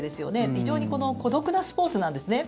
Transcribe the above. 非常に孤独なスポーツなんですね。